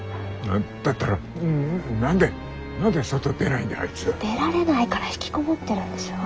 だったら何で何で外出ないんだあいつ。出られないからひきこもってるんでしょ。